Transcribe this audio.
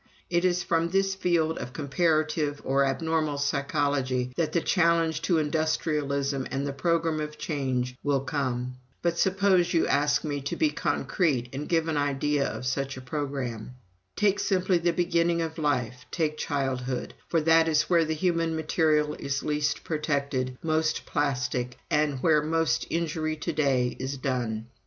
It is from this field of comparative or abnormal psychology that the challenge to industrialism and the programme of change will come. "But suppose you ask me to be concrete and give an idea of such a programme. "Take simply the beginning of life, take childhood, for that is where the human material is least protected, most plastic, and where most injury to day is done.